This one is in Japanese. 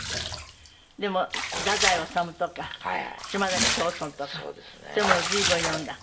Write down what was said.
でも太宰治とか島崎藤村とかそういうものを随分読んだ？